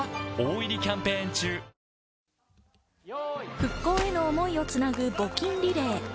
「復興への想いをつなぐ募金リレー」。